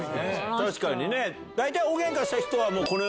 確かにね！